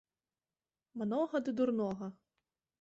Многа ды дурнога